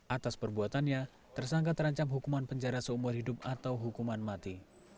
atas perbuatannya tersangka terancam hukuman penjara seumur hidup atau hukuman mati